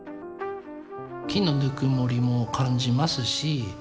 木のぬくもりも感じますし。